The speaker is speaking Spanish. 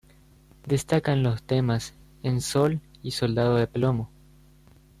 Destacan los temas "En Sol" y "Soldado de Plomo".